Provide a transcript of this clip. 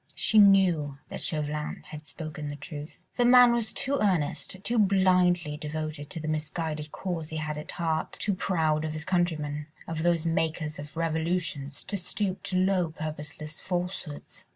She knew that Chauvelin had spoken the truth; the man was too earnest, too blindly devoted to the misguided cause he had at heart, too proud of his countrymen, of those makers of revolutions, to stoop to low, purposeless falsehoods.